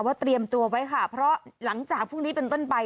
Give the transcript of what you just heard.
เตรียมตัวไว้ค่ะเพราะหลังจากพรุ่งนี้เป็นต้นไป